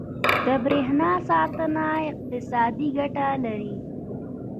• د برېښنا ساتنه اقتصادي ګټه لري.